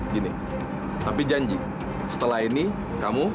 gini tapi janji setelah ini kamu